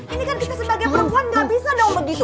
ini kan kita sebagai perempuan gak bisa dong begitu